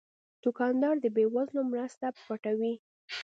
دوکاندار د بې وزلو مرسته پټوي.